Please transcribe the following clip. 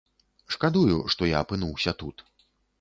Шкадую, што я апынуўся тут.